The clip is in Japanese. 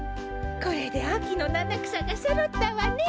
これであきのななくさがそろったわね。